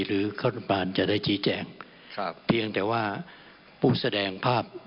หรือรัฐบาลจะได้ชี้แจงครับเพียงแต่ว่าผู้แสดงภาพ